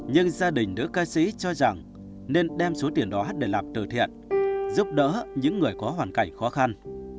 nhưng gia đình nữ ca sĩ cho rằng nên đem số tiền đó để làm từ thiện giúp đỡ những người có hoàn cảnh khó khăn